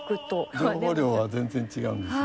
情報量が全然違うんですよ。